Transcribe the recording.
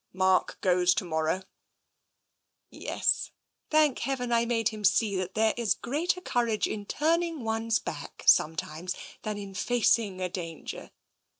" Mark goes to morrow ?*'*' Yes. Thank Heaven, I made him see that there is greater courage in turning one's back, sometimes, than in facing a danger.